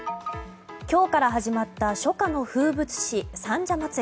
今日から始まった初夏の風物詩、三社祭。